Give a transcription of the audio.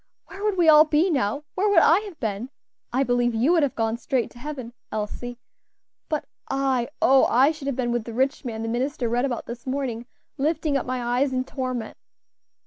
where would we all be now? where would I have been? I believe you would have gone straight to heaven, Elsie; but I oh! I should have been with the rich man the minister read about this morning, lifting up my eyes in torment."